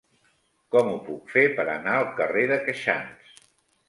Com ho puc fer per anar al carrer de Queixans?